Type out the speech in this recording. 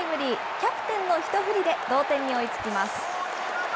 キャプテンのひと振りで同点に追いつきます。